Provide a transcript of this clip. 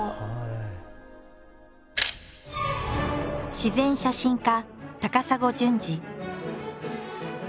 自然写真家高砂淳二。